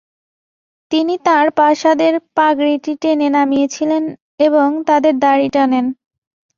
তিনি তাঁর পাশাদের পাগড়িটি টেনে নামিয়েছিলেন এবং তাদের দাড়ি টানেন।